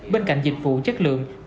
bên cạnh dịch vụ chất lượng